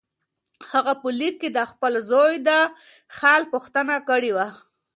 هغه په لیک کې د خپل زوی د حال پوښتنه کړې وه.